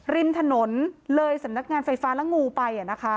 ริมถนนเลยสำนักงานไฟฟ้าและงูไป